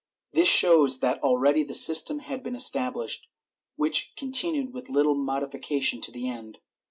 ^ This shows that already the system had been established, which continued with little modification to the end.